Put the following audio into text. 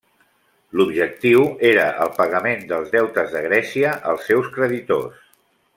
L'objectiu era el pagament dels deutes de Grècia als seus creditors.